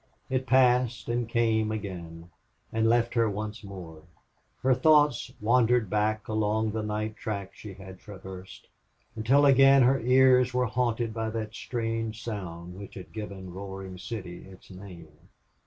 It passed and came again, and left her once more. Her thoughts wandered back along the night track she had traversed, until again her ears were haunted by that strange sound which had given Roaring City its name.